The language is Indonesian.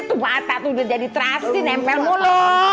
tuh mata tuh udah jadi terasi nempel mulu